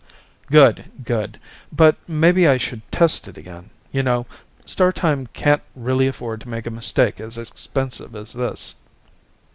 "Good, good. But maybe I should test it again, you know. Star Time can't really afford to make a mistake as expensive as this."